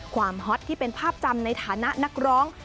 ฮอตที่เป็นภาพจำในฐานะนักร้อง